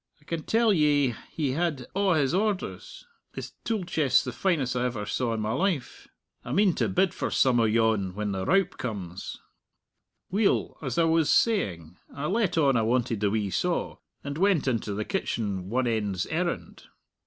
I can tell ye he had a' his orders his tool chest's the finest I ever saw in my life! I mean to bid for some o' yon when the rowp comes. Weel, as I was saying, I let on I wanted the wee saw, and went into the kitchen one end's errand.